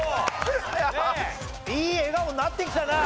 いい笑顔になってきたな！